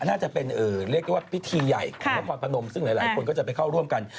น่าจะเป็นเรียกได้ว่าพิธีใหญ่ของนครพนมซึ่งหลายคนก็จะไปเข้าร่วมกัน